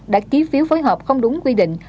đã ký phiếu phối hợp không đúng quy định